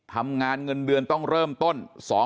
ทำงานเงินเดือนต้องเริ่มต้น